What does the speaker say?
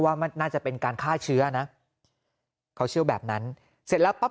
ว่ามันน่าจะเป็นการฆ่าเชื้อนะเขาเชื่อแบบนั้นเสร็จแล้วปั๊บ